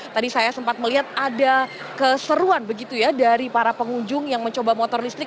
tadi saya sempat melihat ada keseruan begitu ya dari para pengunjung yang mencoba motor listrik